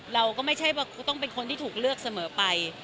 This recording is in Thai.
เราก็ไม่ใช่ว่าต้องเป็นคนที่ถูกเลือกเสมอไป